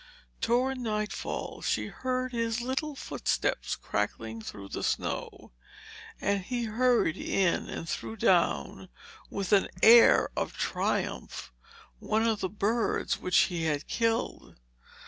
Toward nightfall she heard his little footsteps crackling through the snow, and he hurried in and threw down, with an air of triumph, one of the birds which he had killed.